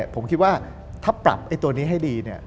ผมคิดว่าถ้าปรับตัวนี้ให้ดี